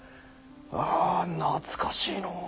あ懐かしいのう。